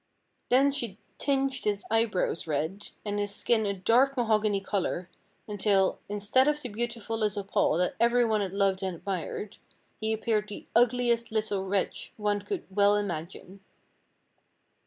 Then she tinged his eyebrows red, and his skin a dark mahogany color, until, instead of the beautiful little Paul that everybody had loved and admired, he appeared the ugliest little wretch one could well imagine.